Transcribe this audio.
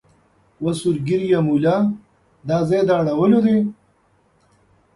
وه سور ږیریه مولا دا ځای د اړولو دی